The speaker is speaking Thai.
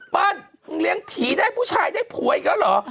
เปิ้ลนายเลี้ยงผีได้ผู้ชายได้ผู้อีกแล้วเหรอ